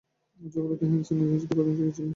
আচ্ছা বলো তো হ্যানসেন, এজেন্সিতে কতদিন টিকেছিলে?